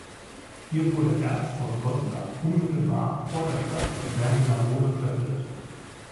Hier wurde Erz aus Goslar unmittelbar vor der Stadt Wernigerode verhüttet.